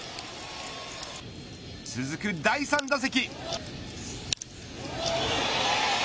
続く第３打席。